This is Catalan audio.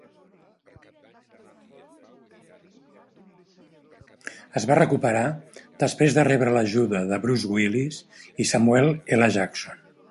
Es va recuperar després de rebre l'ajuda de Bruce Willis i Samuel L. Jackson.